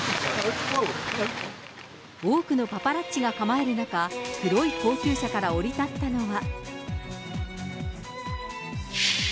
多くのパパラッチが構える中、黒い高級車から降り立ったのは。